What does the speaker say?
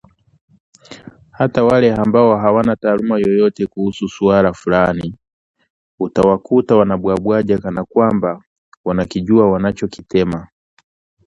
Hata wale ambao hawana taaluma yoyote kuhusu suala fulani, utawakuta wanabwabwaja kana kwamba wanakijua wanachokitema